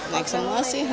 naik semua sih